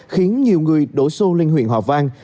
khiến nhiều người đổ xô lên huyện hòa vang